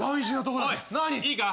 おいいいか？